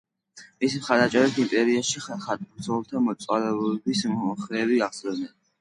მისი მხარდაჭერით იმპერიაში ხატმბრძოლთა მწვალებლობის მომხრეები აღზევდნენ.